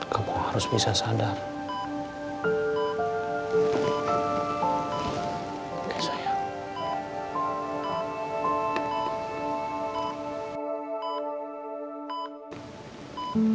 kamu harus bisa sadar